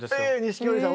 錦織さん